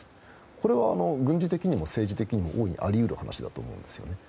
これは軍事的にも政治的にも大いにあり得る話だと思うんです。